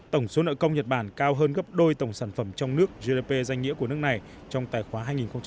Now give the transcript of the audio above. tổng số nợ công nhật bản cao hơn gấp đôi tổng sản phẩm trong nước gdp danh nghĩa của nước này trong tài khoá hai nghìn một mươi tám